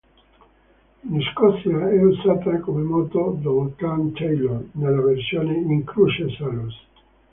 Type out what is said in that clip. In Scozia è usata come motto dal Clan Taylor, nella versione “In cruce salus”.